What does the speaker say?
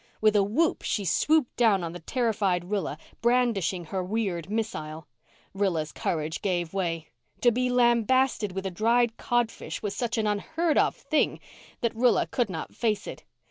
With a whoop she swooped down on the terrified Rilla, brandishing her weird missile. Rilla's courage gave way. To be lambasted with a dried codfish was such an unheard of thing that Rilla could not face it.